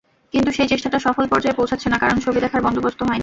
কিন্তু সেই চেষ্টাটা সফল পর্যায়ে পৌঁছাচ্ছে না, কারণ ছবি দেখার বন্দোবস্ত হয়নি।